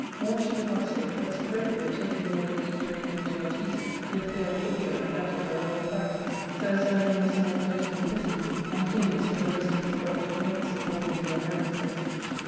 More she would not say ; but Cecropia, taking away the each way guilty Artesia, with fear of torture gat of her the whole practice ; so as Zelmane was the more closely imprisoned, and Clinias, with the rest of his corrupted mates, according to their merits, executed.